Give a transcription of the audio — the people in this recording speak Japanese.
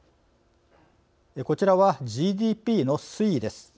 こちらはＧＤＰの推移です。